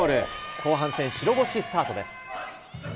後半戦白星スタートです。